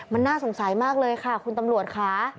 มันน่าสงสัยมากเลยค่ะคุณตำรวจค่ะ